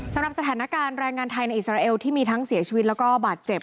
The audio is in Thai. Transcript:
สำหรับสถานการณ์แรงงานไทยในอิสราเอลที่มีทั้งเสียชีวิตแล้วก็บาดเจ็บ